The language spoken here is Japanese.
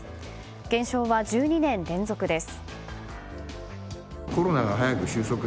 減少は１２年連続です。